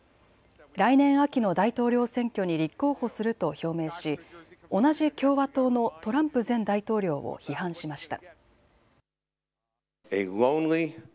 来年秋の大統領選挙に立候補すると表明し同じ共和党のトランプ前大統領を批判しました。